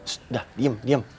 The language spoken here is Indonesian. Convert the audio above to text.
sudah diam diam